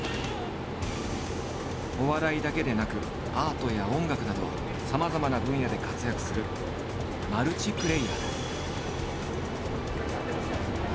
お笑いだけでなくアートや音楽などさまざまな分野で活躍するマルチプレイヤーだ。